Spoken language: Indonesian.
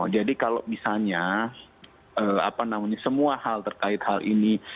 jadi kalau misalnya apa namanya semua hal terkait hal ini